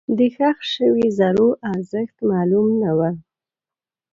دښخ شوي زرو ارزښت معلوم نه و.